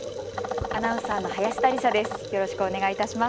アナウンサーの林田理沙です。